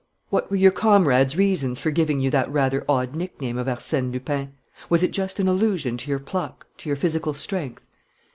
What were your comrades' reasons for giving you that rather odd nickname of Arsène Lupin? Was it just an allusion to your pluck, to your physical strength?"